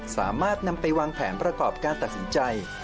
สามารถนำไปวางแผนประกอบการตัดสินใจ